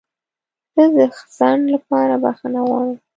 زه د ځنډ لپاره بخښنه غواړم.